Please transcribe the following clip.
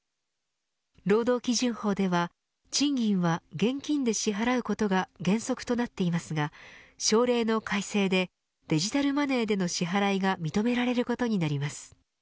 労働基準法では賃金は現金で支払うことが原則となっていますが省令の改正でデジタルマネーでの支払いが認められることになります。